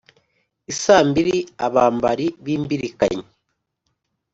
Isaa mbiri abambari b'imbirikanyi